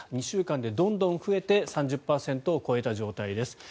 ２週間でどんどん増えて３０％を超えた状態です。